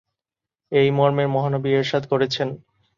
এই মর্মে মহানবী ইরশাদ করেছেন,